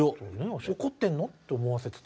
怒ってんの？って思わせてた。